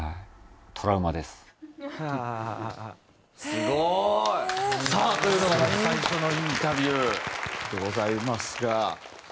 すごい！さあというのがまず最初のインタビューでございますが。